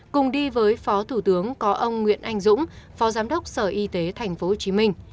cùng đi với phó thủ tướng có ông nguyễn anh dũng phó giám đốc sở y tế tp hcm